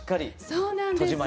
そうなんです。